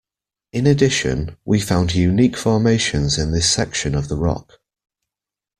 In addition, we found unique formations in this section of the rock.